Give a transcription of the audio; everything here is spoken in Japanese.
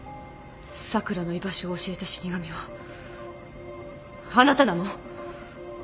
咲良の居場所を教えた死神はあなたなの？